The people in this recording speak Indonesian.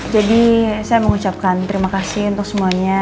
jadi saya mengucapkan terima kasih untuk semuanya